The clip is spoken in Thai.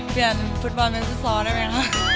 เปลี่ยนฟุตบอลเป็นฟุตซอลได้ไหมคะ